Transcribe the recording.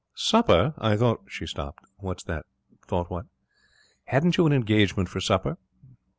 'Supper! I thought ' She stopped. 'What's that? Thought what?' 'Hadn't you an engagement for supper?'